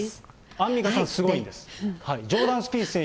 アンミカさん、すごいんです。